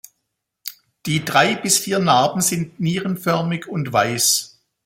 Die drei bis vier Narben sind nierenförmig und weiß.